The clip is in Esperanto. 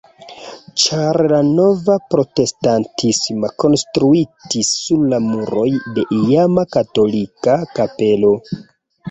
Ĉar la nova protestantisma konstruitis sur la muroj de iama katolika kapelo.